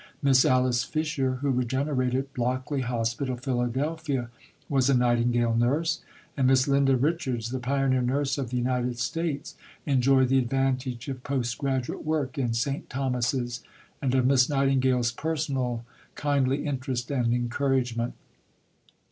"Miss Alice Fisher, who regenerated Blockley Hospital (Philadelphia), was a Nightingale nurse, and Miss Linda Richards, the pioneer nurse of the United States, enjoyed the advantage of post graduate work in St. Thomas's, and of Miss Nightingale's personal kindly interest and encouragement."